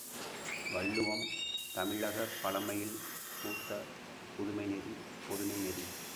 வள்ளுவம் தமிழகப் பழமையில் பூத்த புதுமைநெறி பொதுமை நெறி.